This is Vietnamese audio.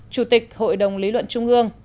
chủ tịch hội đồng lý luận trung ương